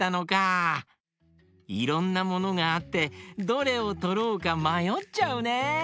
いろんなものがあってどれをとろうかまよっちゃうね！